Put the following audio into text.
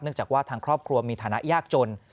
จากว่าทางครอบครัวมีฐานะยากจน